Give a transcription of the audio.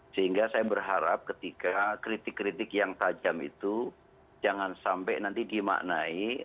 sehingga saya berharap ketika kritik kritik yang tajam itu jangan sampai nanti dimaknai